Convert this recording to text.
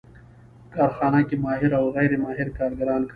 په کارخانه کې ماهر او غیر ماهر کارګران کار کوي